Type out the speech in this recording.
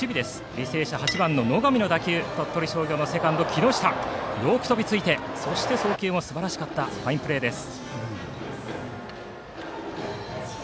履正社、８番の野上の打球を鳥取商業のセカンド、木下よく飛びついてそして送球もすばらしかったファインプレーです。